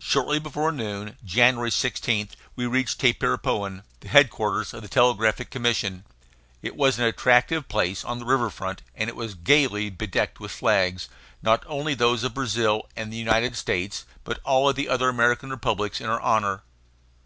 Shortly before noon January 16 we reached Tapirapoan, the headquarters of the Telegraphic Commission. It was an attractive place, on the river front, and it was gayly bedecked with flags, not only those of Brazil and the United States, but of all the other American republics, in our honor.